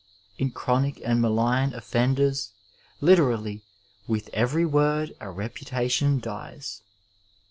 In chronic and malign offenders literally " with every word a reputation dies."